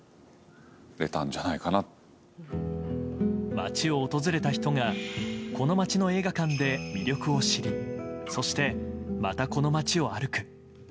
町を訪れた人がこの町の映画館で魅力を知りそして、またこの町を歩く。